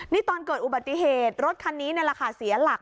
นี่ตอนเกิดอุบัติเหตุรถคันนี้นี่แหละค่ะเสียหลัก